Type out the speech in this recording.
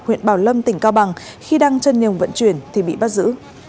huyện bảo lâm tỉnh cao bằng khi đang chân nhường vận chuyển thì bị bắt giữ